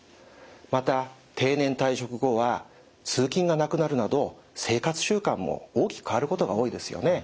また定年退職後は通勤がなくなるなど生活習慣も大きく変わることが多いですよね。